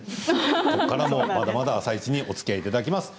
ここからも「あさイチ」におつきあいいただきます。